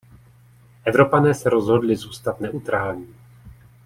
Evropané se rozhodli zůstat neutrální.